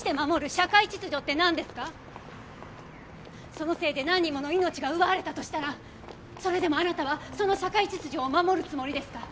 そのせいで何人もの命が奪われたとしたらそれでもあなたはその社会秩序を守るつもりですか？